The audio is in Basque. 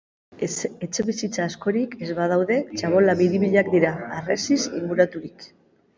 Etxebizitza askorik, ez badaude, txabola biribilak dira, harresiz inguraturik.